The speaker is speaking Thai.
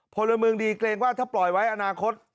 พลเมืองดีเกรงว่าถ้าปล่อยไว้อนาคต